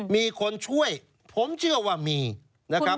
มีคนช่วยผมเชื่อว่ามีนะครับ